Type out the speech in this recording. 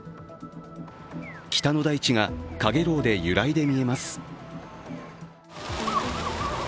北の大地がかげろうで揺らいで見えます。